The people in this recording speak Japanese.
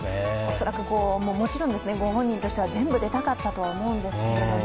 恐らくもちろんご本人としては全部出たかったと思うんですけども、